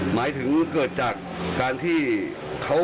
หมายถึงเกิดจากการที่เขา